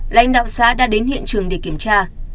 lãnh đạo xã đã đến hiện trường để kiểm tra